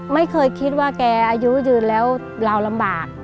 ไม่เคยคิดว่าแกอายุยืนแล้วเราลำบาก